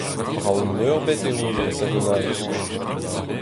Brav-meurbet eo e dresadennoù.